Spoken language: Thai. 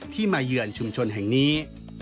มาเยือนชุมชนแห่งนี้